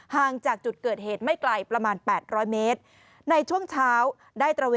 ห่างจากจุดเกิดเหตุไม่ไกลประมาณ๘๐๐เมตร